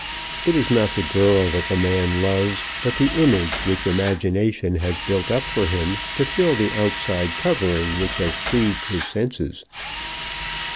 It is not the girl that the man loves, but the image which imagination has built up for him to fill the outside covering which has pleased his senses.